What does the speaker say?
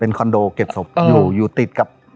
คอนโดเก็บศพอยู่อยู่ติดกับ